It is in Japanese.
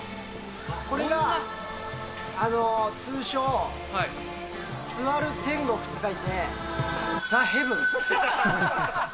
これが通称、座る天国って書いて、ザ・ヘブン。